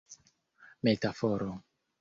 metaforo